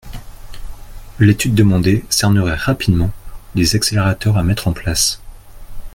L’étude demandée cernerait rapidement les accélérateurs à mettre en place.